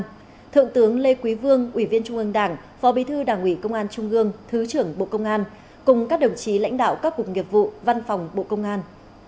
dự buổi lễ có đại tướng lê quý vương ủy viên trung ương đảng phó bí thư đảng ủy công an trung ương thứ trưởng bộ công an cùng các đồng chí lãnh đạo các cục nghiệp vụ văn phòng bộ công an